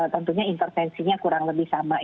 tentunya intervensinya kurang lebih sama